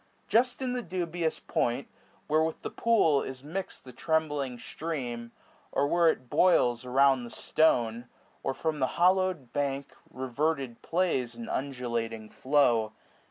4001 Just in the dubious point, where with the pool, Is mix'd the trembling stream, or where it boils Around the stone, or from the hollowed bank Reverted plays in undulating flow.